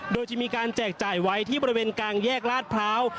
โดยจะมีการแจกจ่ายไว้ที่บริเวณกลางแยกลาดพร้าว